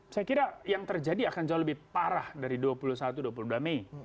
saya kira yang terjadi akan jauh lebih parah dari dua puluh satu dua puluh dua mei